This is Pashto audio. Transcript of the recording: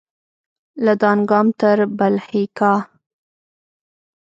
له دانګام تر بلهیکا